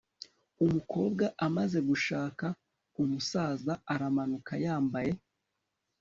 umukobwa amaze gushaka, umusaza aramanuka yambaye